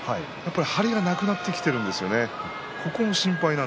張りがなくなってきているんですよね